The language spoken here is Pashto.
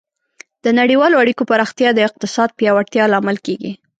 د نړیوالو اړیکو پراختیا د اقتصاد پیاوړتیا لامل کیږي.